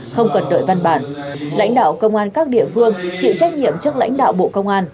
không cần đợi văn bản lãnh đạo công an các địa phương chịu trách nhiệm trước lãnh đạo bộ công an